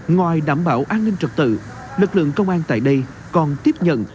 ngoài đảm bảo an ninh trật tự lực lượng công an tại đây còn tiếp nhận